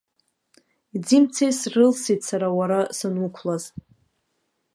Ӡи мцеи срылсит сара уара сануқәлаз.